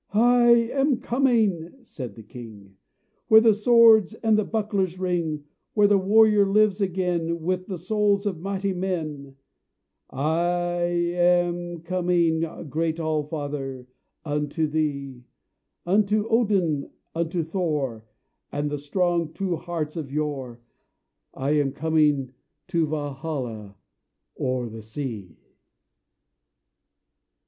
"I am coming!" said the king, "Where the swords and bucklers ring Where the warrior lives again With the souls of mighty men I am coming, great All Father, Unto Thee! Unto Odin, unto Thor, And the strong, true hearts of yore I am coming to Valhalla, O'er the sea."